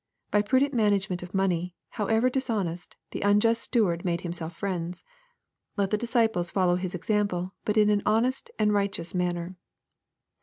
By prudent management of money, however dishonest, the unjust steward made himself friends. Let the disciples follow his exam ple, but in an honest and righteous manner.